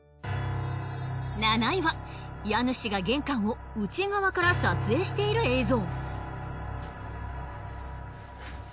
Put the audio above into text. ７位は家主が玄関を内側から撮影している映像。